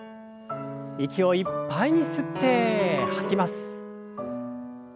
息をいっぱいに吸って吐きます。